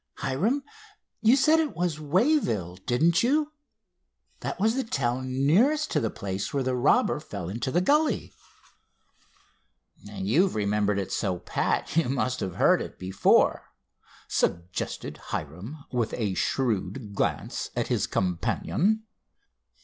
Hiram, you said it was Wayville, didn't you? That was the town nearest to the place where the robber fell into the gully." "You've remembered it so pat you must have heard of it before," suggested Hiram, with a shrewd glance at his companion.